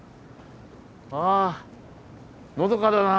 あのどかだな。